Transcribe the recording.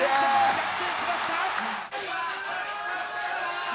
逆転しました。